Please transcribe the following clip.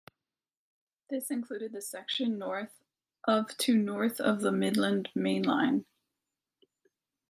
This included the section north of to north of the Midland Main Line.